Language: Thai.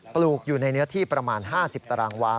ปลูกอยู่ในเนื้อที่ประมาณ๕๐ตารางวา